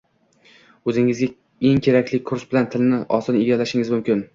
O’zingizga eng kerakli kurs bilan tilni oson egallashingiz mumkin